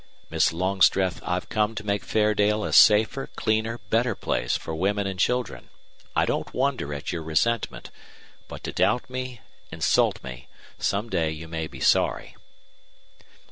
"Miss Longstreth, I've come to make Fairdale a safer, cleaner, better place for women and children. I don't wonder at your resentment. But to doubt me insult me. Some day you may be sorry."